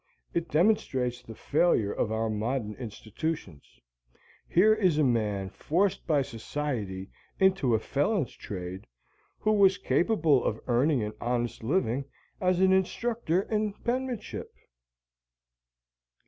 It demonstrates the failure of our modern institutions. Here is a man forced by society into a felon's trade who was capable of earning an honest living as an instructor in penmanship.